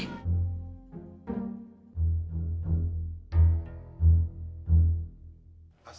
sampai jumpa lagi